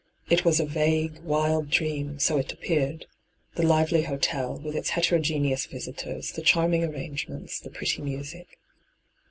It was a vague, wild dream, bo it appeared — the lively hotel, with its heterogeneous visitors, the charming arrangements, the pretty music.